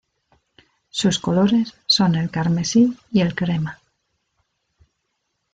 Sus colores son el carmesí y el crema.